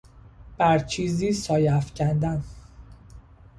بر چیزی سایه افکندن